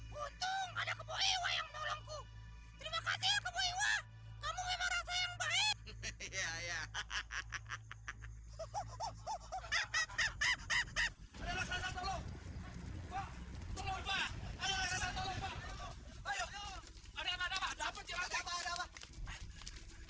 hai untuk ada keboiwa yang nolongku terima kasih keboiwa kamu memang rasa yang baik